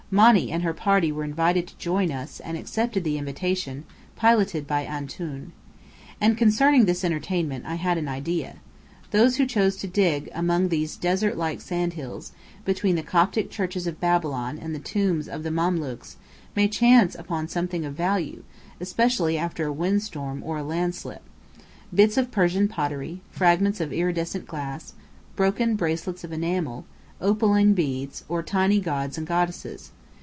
Monny and her party were invited to join us, and accepted the invitation, piloted by "Antoun." And concerning this entertainment, I had an idea. Those who choose to dig among these desert like sandhills, between the Coptic churches of Babylon and the tombs of the Mamelukes, may chance on something of value, especially after a windstorm or a landslip: bits of Persian pottery, fragments of iridescent glass, broken bracelets of enamel, opaline beads, or tiny gods and goddesses.